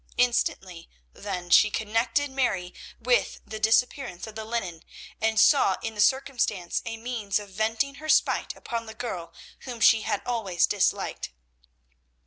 Instantly then she connected Mary with the disappearance of the linen, and saw in the circumstance a means of venting her spite upon the girl whom she had always disliked.